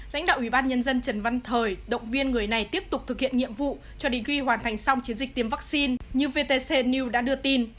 lãnh đạo ubnd trần văn thời động viên người này tiếp tục thực hiện nhiệm vụ cho đến khi hoàn thành xong chiến dịch tiêm vaccine như vtc news đã đưa tin